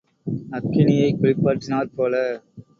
அக்கினியைக் குளிப்பாட்டினாற் போல.